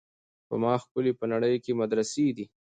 په ما ښکلي په نړۍ کي مدرسې دي